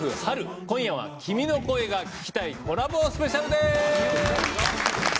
今夜は「君の声が聴きたい」コラボスペシャルです！